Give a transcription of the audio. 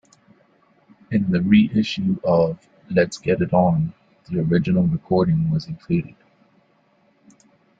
In the re-issue of "Let's Get It On", the original recording was included.